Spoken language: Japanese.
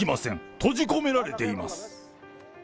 閉じ込められています。